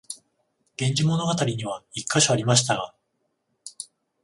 「源氏物語」には一カ所ありましたが、